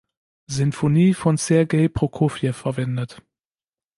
Sinfonie von Sergei Prokofjew verwendet.